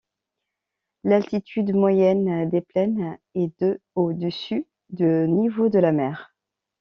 L'altitude moyenne des plaines est de au-dessus de niveau de la mer.